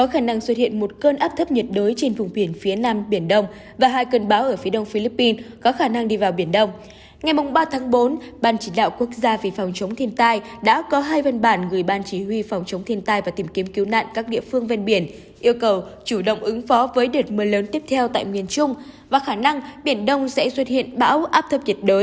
hãy đăng ký kênh để ủng hộ kênh của chúng mình nhé